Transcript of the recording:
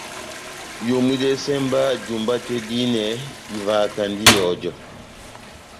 Homwidɛsɛ mba jumba tɛ́h dihinɛ ivahakandi ihɔjɔ.